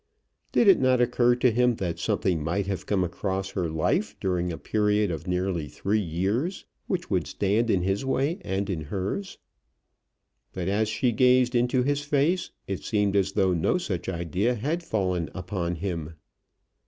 Did it not occur to him that something might have come across her life during a period of nearly three years, which would stand in his way and in hers? But as she gazed into his face, it seemed as though no such idea had fallen upon him.